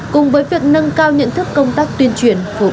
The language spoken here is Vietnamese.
cùng với việc nâng cao nhận thức công tác tuyên truyền